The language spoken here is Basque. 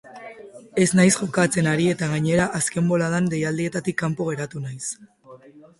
Ez naiz jokatzen ari eta gainera azken boladan deialdietatik kanpo geratu naiz.